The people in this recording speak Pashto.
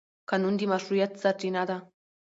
قانون د مشروعیت سرچینه ده.